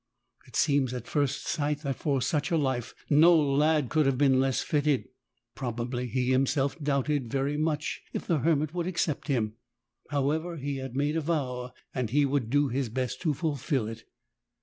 It seems at first sight that for such a life no lad could have been less fitted. Probably he himself doubted very much if the hermit would accept him. However, he had made a vow, and he would do his best to fulfil it.